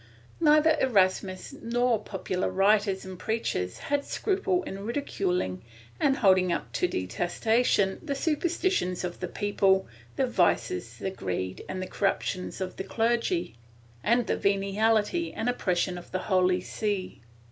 Neither Eras mus nor popular writers and preachers had scruple in ridiculing and holding up to detestation the superstitions of the people, the vices, the greed and the corruptions of the clergy, and the ven ality and oppression of the Holy See.